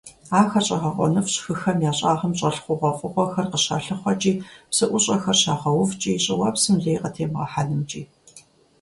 Ахэр щIэгъэкъуэныфIщ хыхэм я щIагъым щIэлъ хъугъуэфIыгъуэхэр къыщалъыхъуэкIи, псы IущIэхэр щагъэувкIи, щIыуэпсым лей къытемыгъэхьэнымкIи.